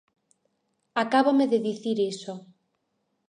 Acábame de dicir iso.